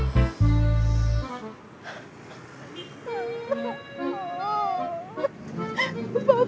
melewatin si bapak